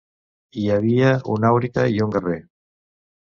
Hi havia un auriga i un guerrer.